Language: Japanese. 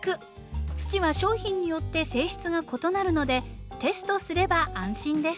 土は商品によって性質が異なるのでテストすれば安心です。